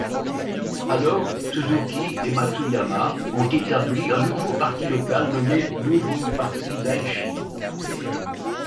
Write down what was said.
Alors Suzuki et Matsuyama ont établi un nouveau parti local nommé 'Nouveau Parti Daichi’.